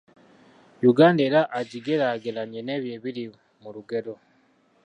Uganda era agigeraageranye n’ebyo ebiri mu lugero.